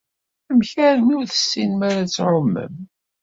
Amek armi ur tessinem ara ad tɛumem?